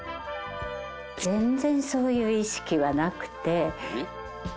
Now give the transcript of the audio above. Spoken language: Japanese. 全然そういう意識はなくて。